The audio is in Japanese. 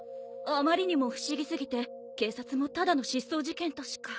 あまりにも不思議すぎて警察もただの失踪事件としか。